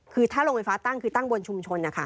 คือถ้าโรงไฟฟ้าตั้งคือตั้งบนชุมชนนะคะ